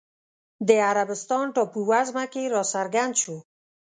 د عربستان ټاپووزمه کې راڅرګند شو